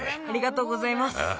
ありがとうございます。